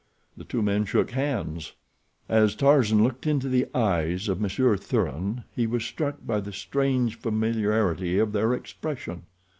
The two men shook hands. As Tarzan looked into the eyes of Monsieur Thuran he was struck by the strange familiarity of their expression.